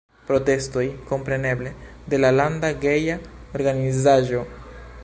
Protestoj, kompreneble, de la landa geja organizaĵo.